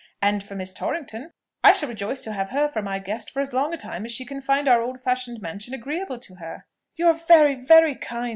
And for Miss Torrington, I shall rejoice to have her for my guest for as long a time as she can find our old fashioned mansion agreeable to her." "You are very, very kind!"